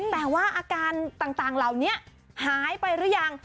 แต่ว่าอาการต่างเหล่านี้หายไปหรือยัง